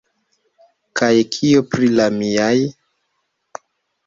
Kaj kio pri la miaj?